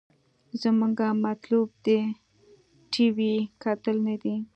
زمونګه مطلوب د ټي وي کتل نه دې.